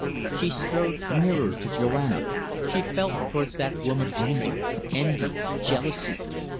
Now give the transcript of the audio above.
She strode nearer to Joanna. She felt towards that woman anger, envy, jealousy.